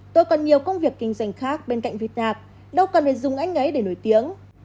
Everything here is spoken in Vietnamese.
tôi còn nhiều công việc kinh doanh khác bên cạnh vịt nạp đâu cần phải dùng anh ấy để nổi tiếng